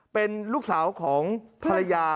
เป็นลูกสาวของภรรยา